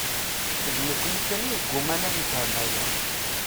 D nekkni kan i yeǧǧuman ad nefhem aya.